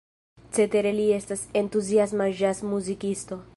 Cetere li estas entuziasma ĵaz-muzikisto.